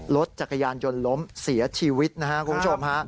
รถจักรยานยนต์ล้มเสียชีวิตนะครับคุณผู้ชมฮะ